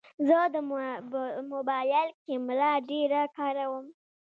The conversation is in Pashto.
زه د موبایل کیمره ډېره کاروم.